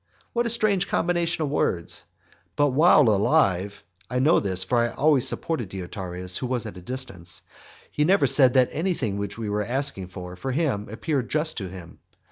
What a strange combination of words! But while alive, (I know this, for I always supported Deiotarus, who was at a distance,) he never said that anything which we were asking for, for him, appeared just to him.